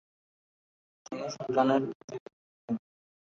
তিনি সুদানের অধিবাসী ছিলেন।